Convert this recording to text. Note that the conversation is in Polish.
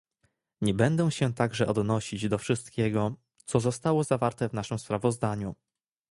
Nie będę się także odnosić do wszystkiego, co zostało zawarte w naszym sprawozdaniu